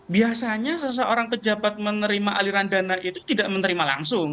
biasanya seseorang pejabat menerima aliran dana itu tidak menerima langsung